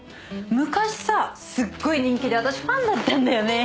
昔さすごい人気で私ファンだったんだよね。